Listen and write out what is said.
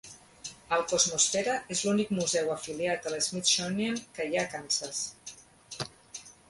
El Cosmosfera és l'únic museu afiliat al Smithsonian que hi ha a Kansas.